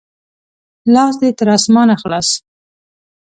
لاس دې تر اسمانه خلاص!